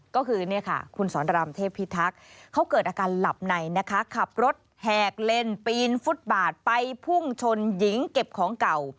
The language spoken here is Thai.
ก็คือนี่ค่ะคุณสอนรามเทพิทักษ์เขาเกิดอาการหลับในนะคะขับรถแหกเล่นปีนฟุตบาทไปพุ่งชนหญิงเก็บของเก่า